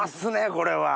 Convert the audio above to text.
これは。